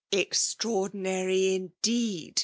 " Extraordinary indeed !